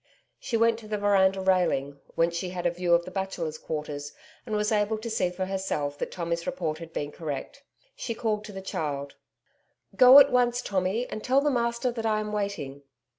She went to the veranda railing, whence she had a view of the Bachelors' Quarters, and was able to see for herself that Tommy's report had been correct. She called to the child: 'Go at once, Tommy, and tell the master that I am waiting.'